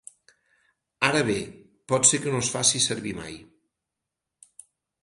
Ara bé, pot ser que no es faci servir mai.